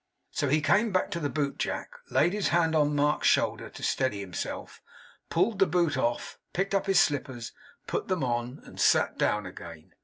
So he came back to the book jack, laid his hand on Mark's shoulder to steady himself, pulled the boot off, picked up his slippers, put them on, and sat down again.